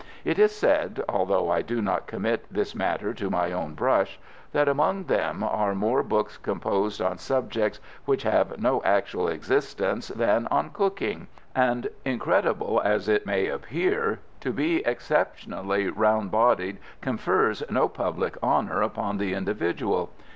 It is said, although I do not commit this matter to my own brush, that among them are more books composed on subjects which have no actual existence than on cooking, and, incredible as it may appear, to be exceptionally round bodied confers no public honour upon the individual.